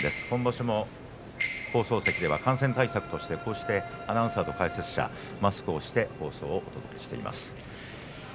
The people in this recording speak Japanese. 今場所も放送席では感染対策としてこうしてアナウンサーと解説者マスクをしてお届けしています。